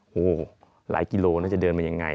โอ้โหหลายกิโลน่าจะเดินมายังไง